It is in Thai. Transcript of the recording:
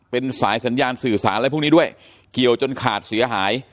เป็นสายสัญญาณสื่อสารอะไรพวกนี้ด้วยเกี่ยวจนขาดเสียหาย